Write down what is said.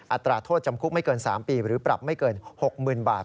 อัตราโทษจำคุกไม่เกิน๓ปีหรือปรับไม่เกิน๖๐๐๐บาท